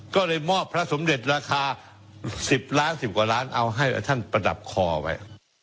ก็เลยมอบพระสมเด็จราคา๑๐ล้าน๑๐กว่าล้านเอาให้ท่านประดับคอไว้